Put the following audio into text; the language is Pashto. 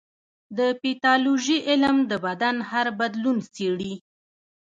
د پیتالوژي علم د بدن هر بدلون څېړي.